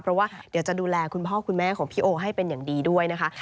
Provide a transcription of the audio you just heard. เพราะว่าเดี๋ยวจะดูแลคุณพ่อคุณแม่ของพี่โอให้เป็นอย่างดีด้วยนะคะ